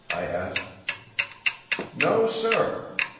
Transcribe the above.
I asked. "No, sir!